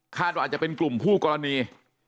ว่าอาจจะเป็นกลุ่มคู่กรณี